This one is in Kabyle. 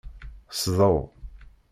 Sḍew.